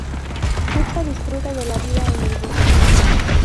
Ursa disfruta la vida en el bosque.